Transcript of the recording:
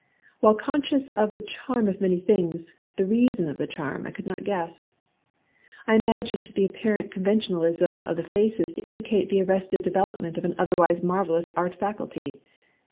While conscious of the charm of many things, the reason of the charm I could not guess. I imagined the apparent conven 104 ABOUT FACES IN JAPANESE ART tionalism of tlie faces to indicate the arrested development of an otherwise marvelous art faculty.